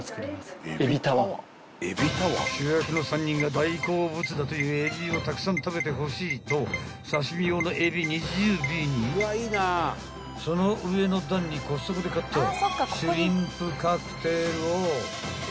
［主役の３人が大好物だという海老をたくさん食べてほしいと刺し身用の海老２０尾にその上の段にコストコで買ったシュリンプカクテルを］